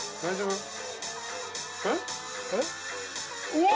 うわ！